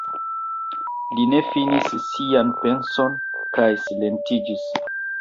Li ne finis sian penson kaj silentiĝis.